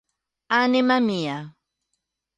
Anima mia.